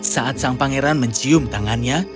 saat sang pangeran mencium tangannya